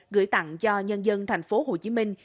gửi tặng cho nhân dân thành phố hồ chí minh